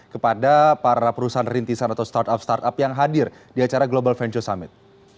kepada para perusahaan rintisan atau startup startup yang hadir di acara global venture summit